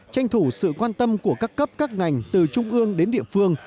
tranh thủ sự quan tâm của các cấp các ngành từ trung ương đến địa phương